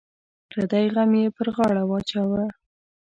پردی غم یې پر غاړه واچوه.